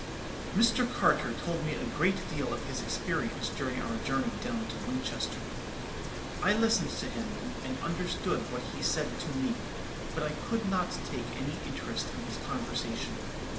"Mr. Carter told me a great deal of his experience during our journey down to Winchester. I listened to him, and understood what he said to me; but I could not take any interest in his conversation.